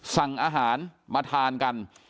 สั่งอาหารมาทานกัน